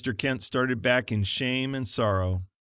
Kent started back in shame and sorrow.